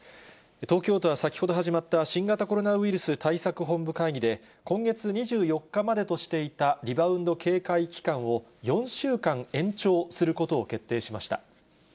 東京都は先ほど始まった新型コロナウイルス対策本部会議で、今月２４日までとしていたリバウンド警戒期間を４週間延長することを決定しました。